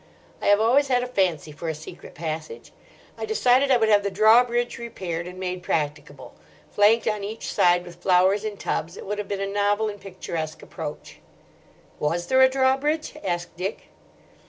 I have always had a fancy for a secret passage. I decided I would have the drawbridge repaired and made practicable. Flanked on each side with flowers in tubs, it would have been a novel and picturesque approach." "Was there a drawbridge?" asked Dick.